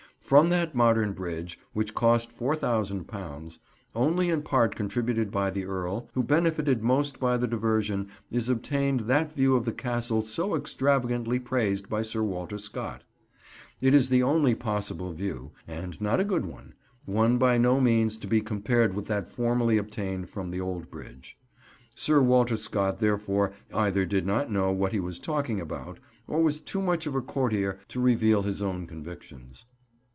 From that modern bridge, which cost £4000, only in part contributed by the Earl, who benefited most by the diversion, is obtained that view of the Castle so extravagantly praised by Sir Walter Scott. It is the only possible view, and not a good one: one by no means to be compared with that formerly obtained from the old bridge. Sir Walter Scott therefore either did not know what he was talking about, or was too much of a courtier to reveal his own convictions.